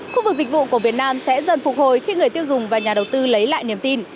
khu vực dịch vụ của việt nam sẽ dần phục hồi khi người tiêu dùng và nhà đầu tư lấy lại niềm tin